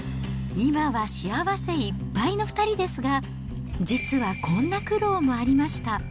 今は幸せいっぱいの２人ですが、実はこんな苦労もありました。